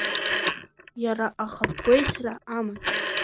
Иара ахатә гәеисра аман.